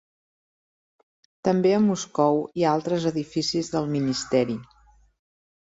També a Moscou hi ha altres edificis del ministeri.